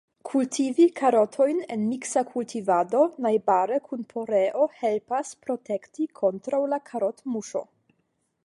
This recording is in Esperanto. Kultivi karotojn en miksa kultivado najbare kun poreo helpas protekti kontraŭ la karotmuŝo.